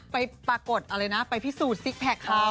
ปรากฏอะไรนะไปพิสูจน์ซิกแพคเขา